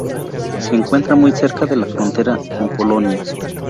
Se encuentra muy cerca de la frontera con Polonia.